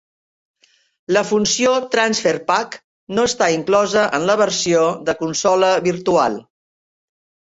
La funció "Transfer Pak" no està inclosa en la versió de Consola Virtual.